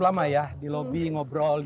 makan pagi adelit beritahukan sama yang lain